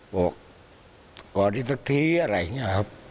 บอกกอดอีกสักทีอะไรอย่างนี้ครับ